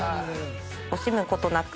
惜しむことなく。